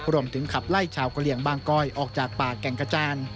รวมถึงขับไล่ชาวเครียงบางก้อยออกจากป่าแก่งกระจาน